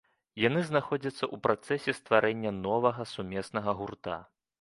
Яны знаходзяцца у працэсе стварэння новага сумеснага гурта.